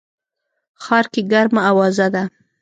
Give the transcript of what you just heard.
ښار کي ګرمه اوازه ده